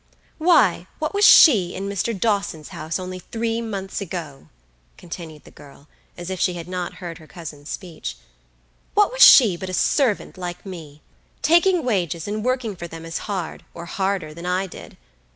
"Why, what was she in Mr. Dawson's house only three months ago?" continued the girl, as if she had not heard her cousin's speech. "What was she but a servant like me? Taking wages and working for them as hard, or harder, than I did.